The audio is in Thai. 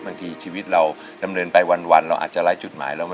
บางทีชีวิตเราเริ่มไปวันเราอาจจะไร้จุดหมาย